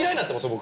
僕